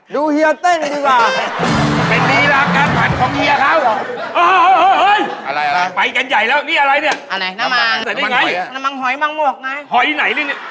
ดูเฮียแต้นดีกว่า